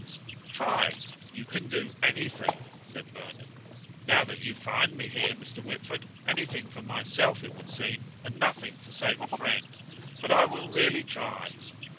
"Try: you can do anything," said Vernon. "Now that you find me here, Mr. Whitford! Anything for myself it would seem, and nothing to save a friend. But I will really try."